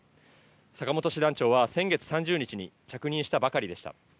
坂本師団長は先月３０日に着任したばかりでした。